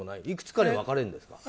いくつかに分かれるの？